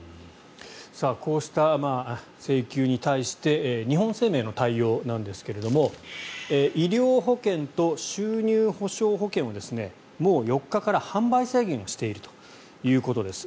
こうした請求に対して日本生命の対応なんですが医療保険と収入保障保険をもう４日から販売制限をしているということです。